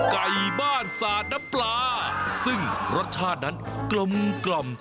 ในบ้านสาดนับปลาซึ่งรสชาตินั้นกลม